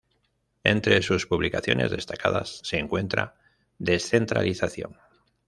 Entre sus publicaciones destacadas se encuentra "Descentralización.